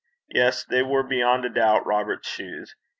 Yes, they were beyond a doubt Robert's shoes.